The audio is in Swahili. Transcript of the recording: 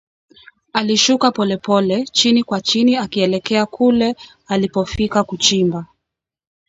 Alishuka polepole, chini kwa chini akielekea kule alipofika kuchimba